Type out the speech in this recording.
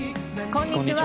こんにちは。